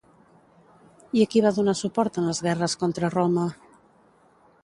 I a qui va donar suport en les guerres contra Roma?